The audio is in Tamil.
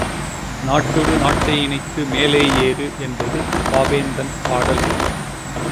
நாட்டொடு நாட்டை இணைத்து மேலே ஏறு, என்பது பாவேந்தன் பாடல் வரி.